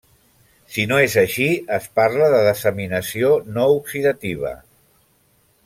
Si no és així, es parla de desaminació no oxidativa.